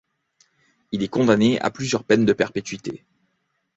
Il est condamné à plusieurs peines de perpétuité.